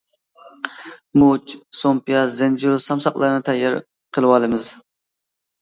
مۇچ، سۇڭپىياز، زەنجىۋىل سامساقلارنى تەييار قىلىۋالىمىز.